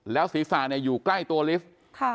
ศีรษะอยู่ใกล้ตัวลิฟท์